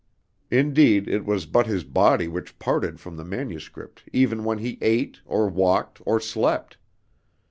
Indeed, it was but his body which parted from the manuscript even when he ate, or walked, or slept.